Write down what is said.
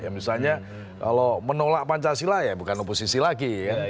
misalnya kalau menolak pancasila ya bukan oposisi lagi